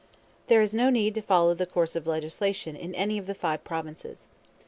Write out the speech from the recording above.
There is no need to follow the course of legislation in any of the five provinces.